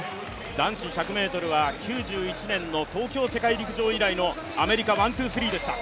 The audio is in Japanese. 男子１００ｍは９１年の東京世界陸上以来のアメリカのワン・ツー・スリーでした。